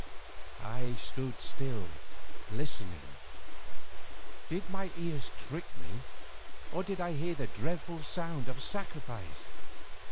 I stood still listening. Did my ears trick me, or did I hear the dreadful song of sacrifice?